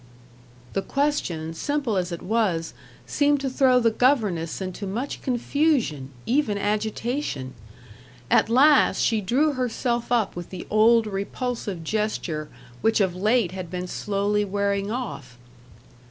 The question, simple as it was, seemed to throw the governess into much confusion, even agitation. At last, she drew herself up with the old repulsive gesture, which of late had been slowly wearing off.